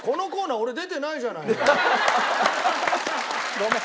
ごめん。